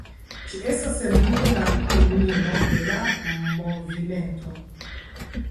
Ĝi estas sendube la kulmino de la movimento.